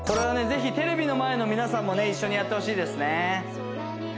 ぜひテレビの前の皆さんも一緒にやってほしいですね